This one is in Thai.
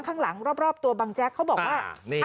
ข้างหลังรอบตัวบังแจ๊กเขาบอกว่า